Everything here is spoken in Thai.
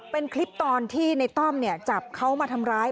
เป็นคลิปตอนที่ในต้อมจับเขามาทำร้าย